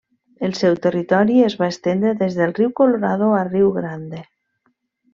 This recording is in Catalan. El seu territori es va estendre des del riu Colorado a riu Grande.